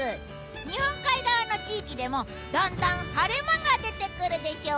日本海側の地域でもだんだん晴れ間が出てくるでしょう。